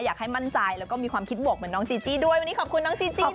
อยากให้มั่นใจแล้วก็มีความคิดบวกเหมือนน้องจีจี้ด้วยวันนี้ขอบคุณน้องจีจี้